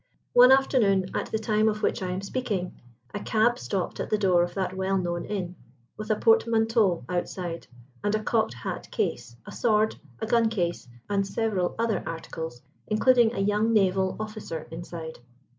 One afternoon, at the time of which I am speaking, a cab stopped at the door of that well known inn, with a portmanteau outside, and a cocked hat case, a sword, a gun case, and several other articles, including a young naval officer inside.